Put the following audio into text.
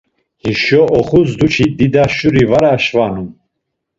Hişo oxuzdu çi dida şuri var aşvanu.